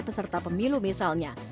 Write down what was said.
peserta pemilu misalnya